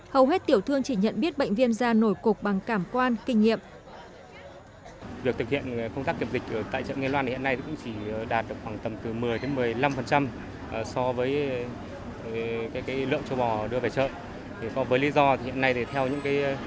hầu hết tiểu thương chỉ nhận biết bệnh viêm da nổi cục bằng cảm quan kinh nghiệm